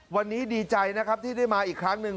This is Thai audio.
วันนี้ดีใจนะครับที่ได้มาอีกครั้งหนึ่ง